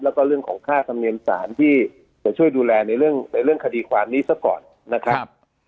แล้วก็เรื่องของค่าธรรมเนียมสารที่จะช่วยดูแลในเรื่องคดีความนี้ซะก่อนนะครับ